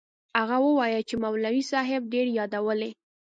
هغه وويل چې مولوي صاحب ډېر يادولې.